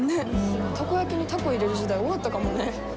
タコ焼きにタコ入れる時代終わったかもね。